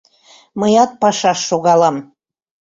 Мыят пашаш шогалам...